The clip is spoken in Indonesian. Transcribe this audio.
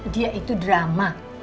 dia itu drama